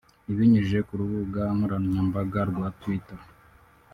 Ibinyujije ku rubuga nkoranyambaga rwa Twitter